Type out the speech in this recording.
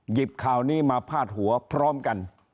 ข่าวนี้มาพาดหัวพร้อมกัน